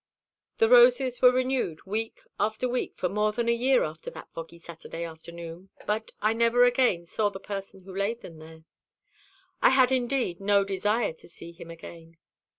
"The roses were renewed week after week for more than a year after that foggy Saturday afternoon; but I never again saw the person who laid them there. I had, indeed, no desire to see him again.